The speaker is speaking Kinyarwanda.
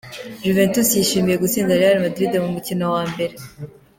Juventus yishimiye gutsinda Real Madrid mu mukino wa mbere.